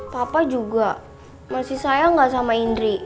papa juga masih sayang gak sama indri